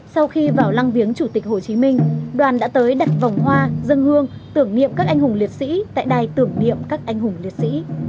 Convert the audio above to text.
sau khi vào lăng viếng chủ tịch hồ chí minh đoàn đã tới đặt vòng hoa dân hương tưởng niệm các anh hùng liệt sĩ tại đài tưởng niệm các anh hùng liệt sĩ